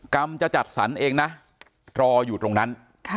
จะจัดสรรเองนะรออยู่ตรงนั้น